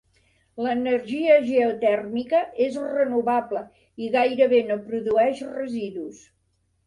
L'energia geotèrmica és renovable i gairebé no produeix residus.